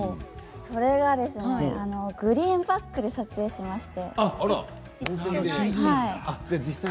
それがグリーンバックで撮影しまして。